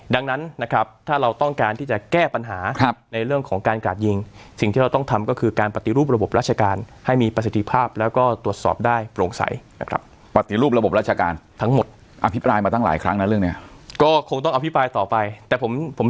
ดังนั้นนะครับถ้าเราต้องการที่จะแก้ปัญหาในเรื่องของการกาดยิงสิ่งที่เราต้องทำก็คือการปฏิรูประบบรัชการให้มีประสิทธิภาพแล้วก็ตรวจสอบได้โปร่งใสนะครับ